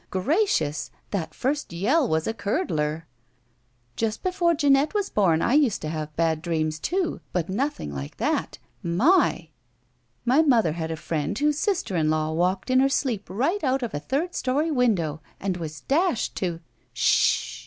Gracious! That first yell was a curdler!" Just before Jeanette was bom I used to have bad dreams, too, but nothing like that. My!" My mother had a friend whose sister in law walked in her sleep right out of a third story window and was dashed to —" ''Shh h h!"